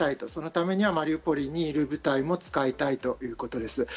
そのためにはマリウポリにいる部隊を使いたいということです。